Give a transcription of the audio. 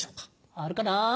あるかな？